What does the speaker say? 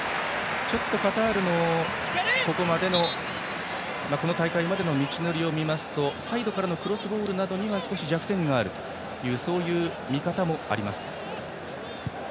ちょっとカタールのここまでのこの大会までの道のりを見ますとサイドからのクロスボールには少し弱点があるという見方もあります。